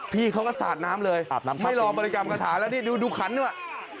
พี่เขาก็สาดน้ำเลยไม่รอบริกรรมคาถาแล้วนี่ดูขันด้วย